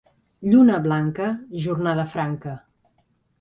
Lluna blanca, jornada franca.